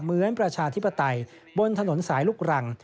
ประชาธิปไตยบนถนนสายลูกรัง